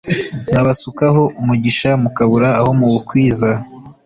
nkabasukaho umugisha mukabura aho muwukwiza.